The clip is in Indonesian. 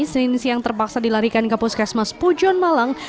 senin siang terpaksa dilarikan ke puskesmas pujon malang